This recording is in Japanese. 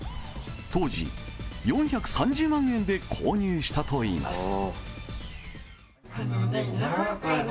当時４３０万円で購入したといいます